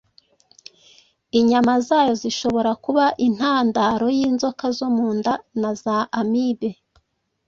inyama zayo zishobora kuba intandaro y’inzoka zo mu nda na za amibe.